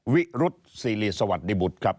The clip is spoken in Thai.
วิรุธซีรีสสวัสดิบุธครับ